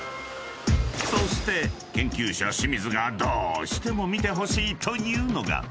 ［そして研究者清水がどうしても見てほしいというのが］